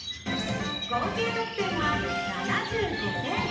合計得点は７５点。